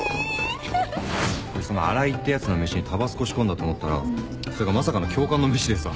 その荒井ってやつの飯にタバスコ仕込んだと思ったらそれがまさかの教官の飯でさ。